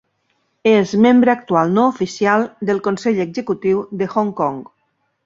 És membre actual no oficial del Consell Executiu de Hong Kong.